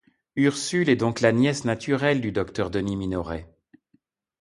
Ursule est donc la nièce naturelle du docteur Denis Minoret.